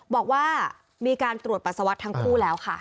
บอกว่ามีการตรวจปัสสาวะทั้งคู่แล้วค่ะ